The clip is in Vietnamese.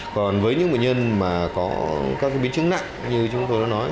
còn với những bệnh nhân mà có các biến chứng nặng như chúng tôi đã nói